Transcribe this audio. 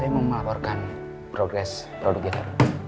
saya mau melaporkan progres produk kita